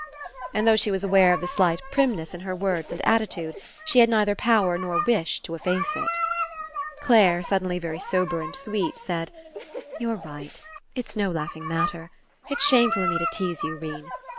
And though she was aware of the slight primness in her words and attitude, she had neither power nor wish to efface it. Clare, suddenly very sober and sweet, said: "You're right. It's no laughing matter. It's shameful of me to tease you, 'Rene.